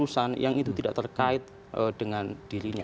urusan yang itu tidak terkait dengan dirinya